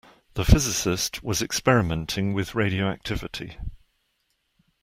The physicist was experimenting with radioactivity.